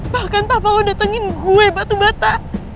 bahkan papa lo datengin gue batu bata